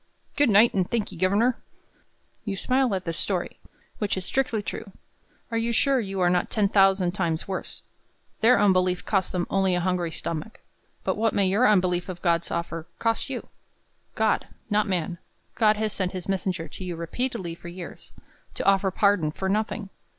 "Good night, and thank'ee, governor!" You smile at the story, which is strictly true. Are you sure you are not ten thousand times worse? Their unbelief cost them only a hungry stomach; but what may your unbelief of God's offer cost you? God not man God has sent his messenger to you repeatedly for years, to offer pardon for nothing!